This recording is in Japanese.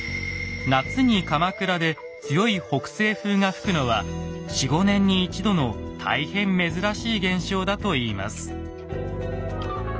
夏に鎌倉で強い北西風が吹くのは４５年に一度の大変珍しい現象だといいます。